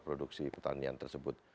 produksi pertanian tersebut